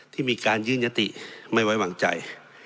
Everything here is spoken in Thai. ที่มีการยื่นยติไม่ไว้วางใจ